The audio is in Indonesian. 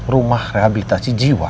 rumah rehabilitasi jiwa